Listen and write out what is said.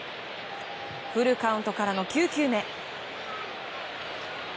フルカウントからの９球目。